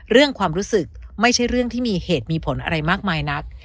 เรื่องความรู้สึกไม่ใช่เรื่องที่มีเหตุมีผลอะไรมากมายนัก